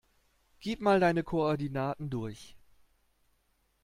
Gib mal deine Koordinaten durch.